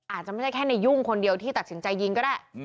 อาจจะไม่ใช่แค่ในยุ่งคนเดียวที่ตัดสินใจยิงก็ได้